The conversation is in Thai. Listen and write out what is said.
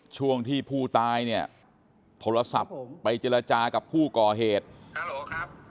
ช่วงที่ผู้ตายเนี่ยโทรศัพท์ไปเจรจากับผู้ก่อเหตุครับ